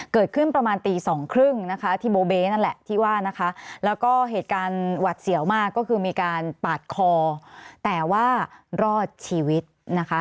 เกิดขึ้นประมาณตีสองครึ่งนะคะที่โบเบ๊นั่นแหละที่ว่านะคะแล้วก็เหตุการณ์หวัดเสี่ยวมากก็คือมีการปาดคอแต่ว่ารอดชีวิตนะคะ